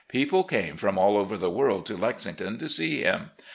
People came from all over the world to Lexington to see him.